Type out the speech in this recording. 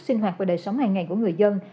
sinh hoạt và đời sống hàng ngày của người dân